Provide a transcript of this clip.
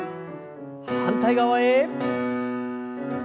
反対側へ。